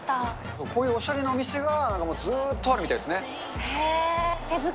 こういうおしゃれなお店がずーっとあるみたいですね。